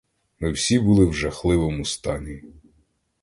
Ми всі були в жахливому стані.